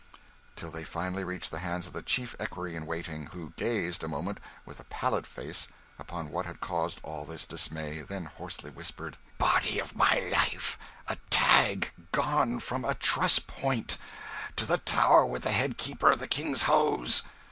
till they finally reached the hands of the Chief Equerry in Waiting, who gazed a moment, with a pallid face, upon what had caused all this dismay, then hoarsely whispered, "Body of my life, a tag gone from a truss point! to the Tower with the Head Keeper of the King's Hose!"